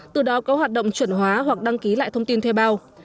từ đó có hoạt động chuẩn hóa hoặc đăng ký lại thông tin thuê bao